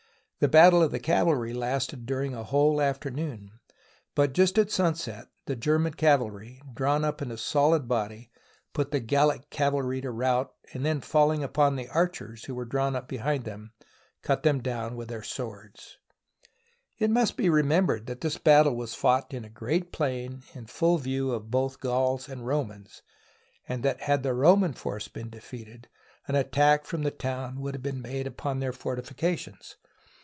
The battle of the cavalry lasted during a whole afternoon, but just at sunset the German cavalry, drawn up in a solid body, put the Gallic cavalry to rout and then falling upon the archers who were drawn up behind them, cut them down with their swords. THE BOOK OF FAMOUS SIEGES It must be remembered that this battle was fought in a great plain in full view of both Gauls and Romans, and that had the Roman force been defeated, an attack from the town would have been made upon their fortifications.